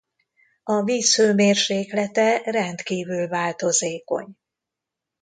A víz hőmérséklete rendkívül változékony.